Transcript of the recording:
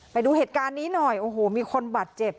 ไปดูเหตุการณ์นี้หน่อยโอ้โหมีคนบาดเจ็บ